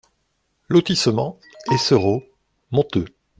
Lotissement Eissero, Monteux